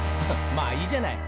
「まあいいじゃない」